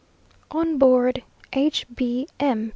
ON BOARD H. B. M.